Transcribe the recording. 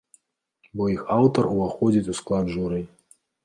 Бо іх аўтар уваходзіць у склад журы.